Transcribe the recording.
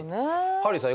ハリーさん